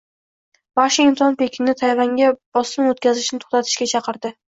Vashington Pekinni Tayvanga bosim o‘tkazishni to‘xtatishga chaqirdi